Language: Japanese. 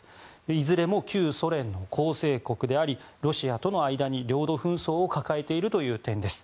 いずれも旧ソ連の構成国でありロシアとの間に領土紛争を抱えているという点です。